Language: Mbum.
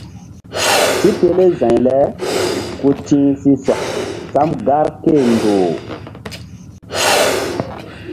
Tipele za̧y le ku ti̧h si sɔk sam gar ké-e ndoh-u.